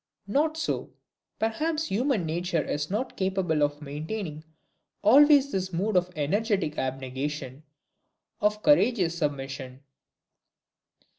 Not so. Perhaps human nature is not capable of maintaining always this mood of energetic abnegation, of courageous submission.